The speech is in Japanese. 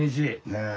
ねえ。